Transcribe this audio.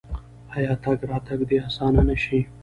آیا تګ راتګ دې اسانه نشي؟